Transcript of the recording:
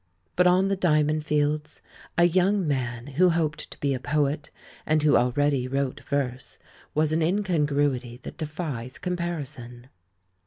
But on the Diamond Fields, a young man who hoped to be a poet, and who already wrote verse, was an incongruity that defies comparison.